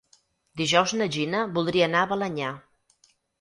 Dijous na Gina voldria anar a Balenyà.